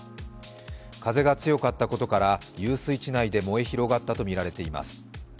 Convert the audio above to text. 風が強かったことから遊水地内で燃え広がったとみられています。